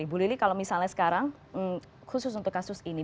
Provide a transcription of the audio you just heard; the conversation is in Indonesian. ibu lili kalau misalnya sekarang khusus untuk kasus ini